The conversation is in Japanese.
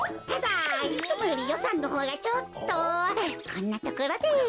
ただいつもよりよさんのほうがちょっとこんなところで。